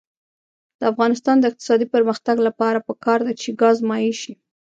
د افغانستان د اقتصادي پرمختګ لپاره پکار ده چې ګاز مایع شي.